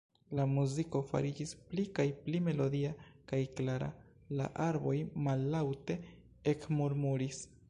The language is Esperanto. La muziko fariĝis pli kaj pli melodia kaj klara; la arboj mallaŭte ekmurmuris.